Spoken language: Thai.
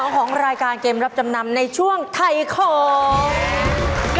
ของรายการเกมรับจำนำในช่วงไทยของ